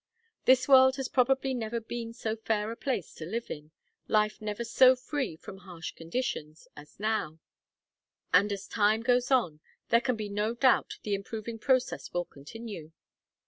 This world has probably never been so fair a place to live in, life never so free from harsh conditions, as now; and as time goes on, there can be no doubt the improving process will continue.